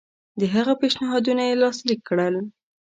د هغه پېشنهادونه یې لاسلیک کړل.